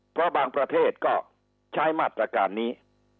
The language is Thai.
เพราะบางประเทศก็ใช้มาตรการนี้